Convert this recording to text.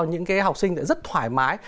những cái học sinh rất thoải mái